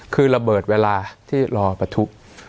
คือระเบิดเวลาที่รอปะทุ